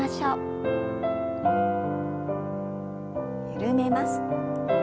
緩めます。